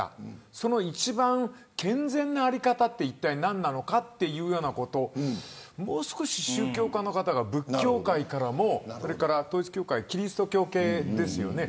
その一番、健全な在り方っていったい何なのかというようなことをもう少し宗教家の方が仏教界からも、統一教会キリスト教系ですよね。